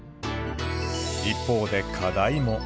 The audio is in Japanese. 一方で課題も。